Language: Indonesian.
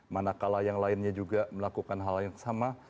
manakala yang lainnya juga melakukan hal yang sama